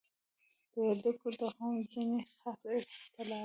د وردګو د قوم ځینی خاص اصتلاحات